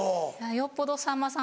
よっぽどさんまさん